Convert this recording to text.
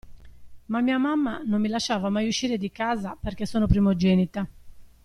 Ma mia mamma non mi lasciava mai uscire di casa, perché sono primogenita.